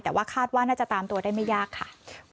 แต่ว่าคาดว่าน่าจะตามตัวได้ไม่ยากค่ะ